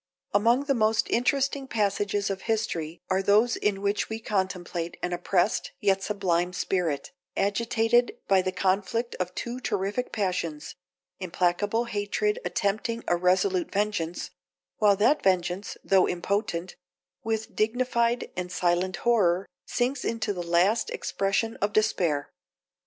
Among the most interesting passages of history are those in which we contemplate an oppressed, yet sublime spirit, agitated by the conflict of two terrific passions: implacable hatred attempting a resolute vengeance, while that vengeance, though impotent, with dignified and silent horror, sinks into the last expression of despair.